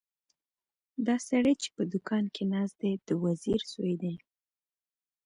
دا سړی چې په دوکان کې ناست دی د وزیر زوی دی.